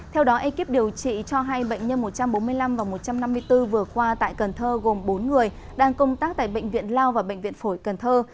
theo đó ekip điều trị cho hai bệnh nhân một trăm bốn mươi năm và một trăm năm mươi bốn vừa qua tại cần thơ gồm bốn người đang công tác tại bệnh viện lao và bệnh viện phổi cần thơ